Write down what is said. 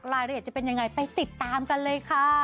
รายละเอียดจะเป็นยังไงไปติดตามกันเลยค่ะ